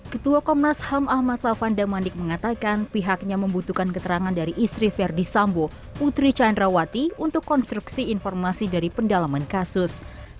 ketua komnas ham ahmad lavan damandik mengatakan pihaknya membutuhkan keterangan dari istri verdi sambo putri candrawati untuk konstruksi informasi dari pendalaman kasus